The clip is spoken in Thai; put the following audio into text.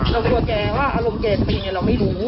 เรากลัวแกว่าอารมณ์แกจะเป็นยังไงเราไม่รู้